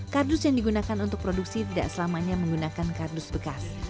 kardus yang digunakan untuk produksi tidak selamanya menggunakan kardus bekas